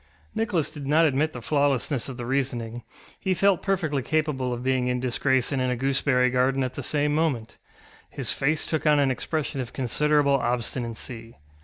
Nicholas did not admit the flawlessness of the reasoning; he felt perfectly capable of being in disgrace and in a gooseberry garden at the same moment. His face took on an expression of considerable obstinacy.